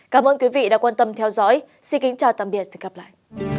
cảm ơn quý vị đã quan tâm theo dõi xin kính chào tạm biệt và hẹn gặp lại